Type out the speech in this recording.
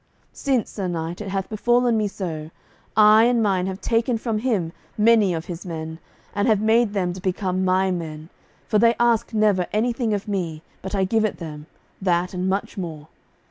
Since, sir knight, it hath befallen me so, I and mine have taken from him many of his men, and have made them to become my men, for they ask never anything of me, but I give it them, that and much more.